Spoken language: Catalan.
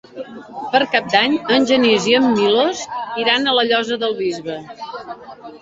Per Cap d'Any en Genís i en Milos iran a la Llosa del Bisbe.